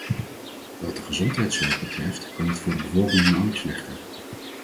Wat de gezondheidszorg betreft kan het voor de bevolking nauwelijks slechter.